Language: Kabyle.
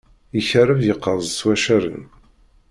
Ikerreb yeqqaz s waccaren.